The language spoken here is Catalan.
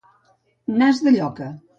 Nas de lloca.